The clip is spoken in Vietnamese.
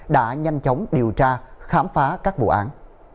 đã nhanh chóng điều tra khám phá các vụ án